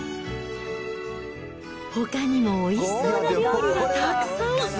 ほかにもおいしそうな料理がたくさん。